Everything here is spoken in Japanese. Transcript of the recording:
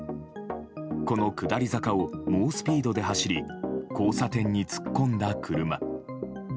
この下り坂を猛スピードで走り交差点に突っ込んだ車。